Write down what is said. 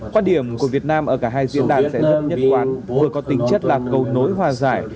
quan điểm của việt nam ở cả hai diễn đàn sẽ rất nhất quán vừa có tính chất là cầu nối hòa giải